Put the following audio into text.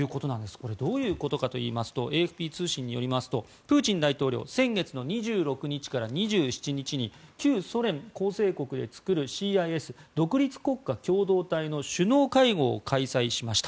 これどういうことかといいますとＡＦＰ通信によりますとプーチン大統領先月２６日から２７日に旧ソ連構成国で作るＣＩＳ・独立国家共同体の首脳会合を開催しました。